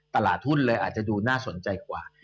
ตลาดทุนเลยอาจจะดูน่าสนใจกว่า